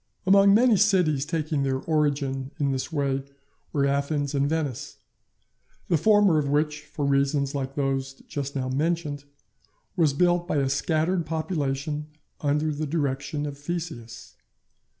Among many cities taking their origin in this way were Athens and Venice; the former of which, for reasons like those just now mentioned, was built by a scattered population under the direction of Theseus.